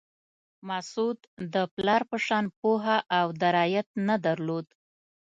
مسعود د پلار په شان پوهه او درایت نه درلود.